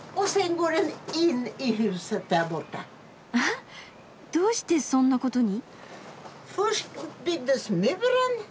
あはっどうしてそんなことに？